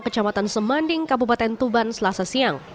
kecamatan semanding kabupaten tuban selasa siang